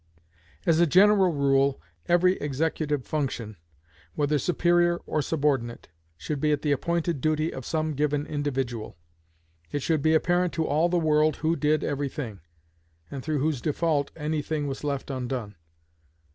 As a general rule, every executive function, whether superior or subordinate, should be the appointed duty of some given individual. It should be apparent to all the world who did every thing, and through whose default any thing was left undone.